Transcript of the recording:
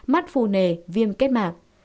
mắt phù nề viêm kết mạc